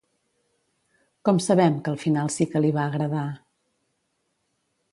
Com sabem que al final sí que li va agradar?